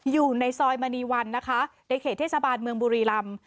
อยู่ในซอยมณีวันนะคะในเขตเทศบาลเมืองบุรีรำ